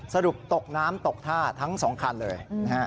สรุปตกน้ำตกท่าทั้ง๒คันเลย